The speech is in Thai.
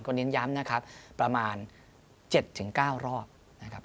เน้นย้ำนะครับประมาณ๗๙รอบนะครับ